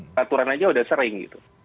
peraturan aja udah sering gitu